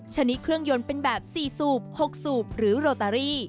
ชนิดเครื่องยนต์เป็นแบบ๔สูบ๖สูบหรือโรตเตอรี่